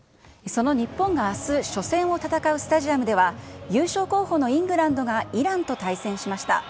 その日本があす、初戦を戦うスタジアムでは、優勝候補のイングランドがイランと対戦しました。